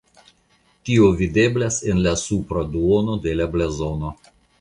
Tio videblas en la supra duono de la blazono.